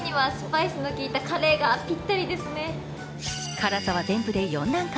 辛さは全部で４段階。